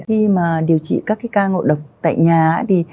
khi mà điều trị các cái ca ngộ độc tại nhà thì